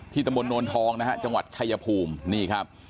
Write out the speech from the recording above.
ตำบลโนนทองนะฮะจังหวัดชายภูมินี่ครับ